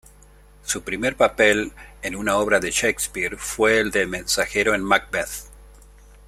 Su primer papel en una obra de Shakespeare fue el de mensajero en "Macbeth".